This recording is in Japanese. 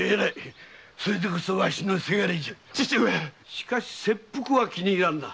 しかし切腹は気に入らんな。